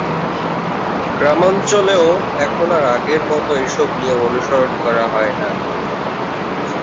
গ্রামাঞ্চলেও এখন আর আগের মতো এ সব নিয়ম অনুসরণ করা হয় না।